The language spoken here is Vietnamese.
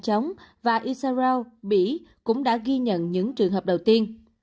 chống và isara mỹ cũng đã ghi nhận những trường hợp đầu tiên